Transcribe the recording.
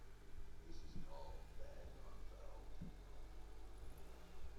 This is called "bag-on-valve" technology.